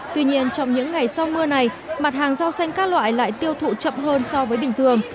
tuy nhiên trong những ngày sau mưa này mặt hàng rau xanh các loại lại tiêu thụ chậm hơn so với bình thường